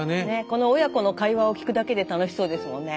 この親子の会話を聞くだけで楽しそうですもんね。